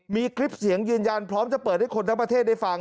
มีคลิปเสียงยืนยันพร้อมจะเปิดให้คนทั้งประเทศได้ฟัง